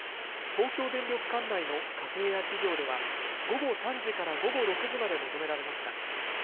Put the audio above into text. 東京電力管内の家庭や企業では午後３時から午後６時まで求められました。